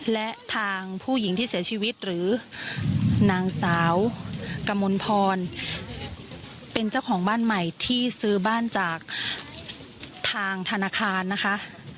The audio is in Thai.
และทางผู้หญิงที่เสียชีวิตหรือนางสาวกมลพรเป็นเจ้าของบ้านใหม่ที่ซื้อบ้านจากทางธนาคารนะคะ